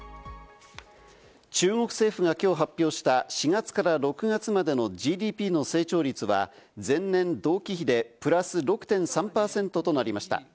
中国政府がきょう発表した、４月から６月までのＧＤＰの成長率は前年同期比でプラス６．３％となりました。